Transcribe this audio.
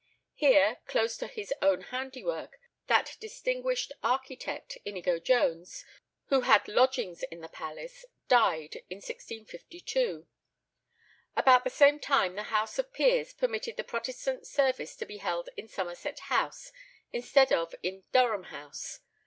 Here, close to his own handiwork, that distinguished architect, Inigo Jones, who had lodgings in the palace, died in 1652. About the same time the House of Peers permitted the Protestant service to be held in Somerset House instead of in Durham House.